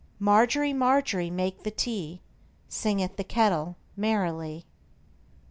Margery, Margery, make the tea, Singeth the kettle merrily.